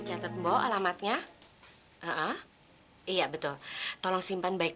aku nyari rumah nek